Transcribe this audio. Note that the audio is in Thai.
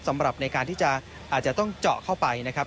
สำหรับในการที่อาจจะต้องเจาะเข้าไปนะครับ